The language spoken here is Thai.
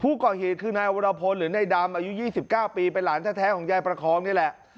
ผู้ก่อเหตุคือนายวรพลหรือนายดำอายุ๒๙ปีเป็นหลานแท้ของยายประคองนี่แหละ